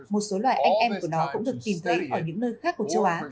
một số loài anh em của nó cũng được tìm thấy ở những nơi khác của châu á